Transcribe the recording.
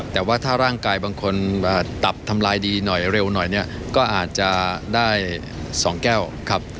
แต่ว่าถ้าร่างกายบางคนตับทำลายดีหน่อยเร็วหน่อยเนี่ยก็อาจจะได้๒แก้วครับ